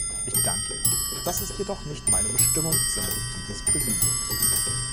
Ich danke Ihnen, das ist jedoch nicht meine Bestimmung, sondern die des Präsidiums.